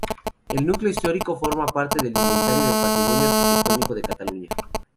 El núcleo histórico forma parte del Inventario del Patrimonio Arquitectónico de Cataluña.